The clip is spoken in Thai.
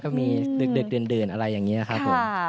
ก็มีดึกดื่นอะไรอย่างนี้ครับผม